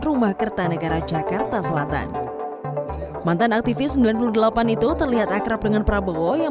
rumah kertanegara jakarta selatan mantan aktivis sembilan puluh delapan itu terlihat akrab dengan prabowo yang